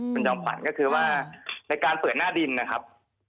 คุณจอมขวัญก็คือว่าในการเปิดหน้าดินนะครับ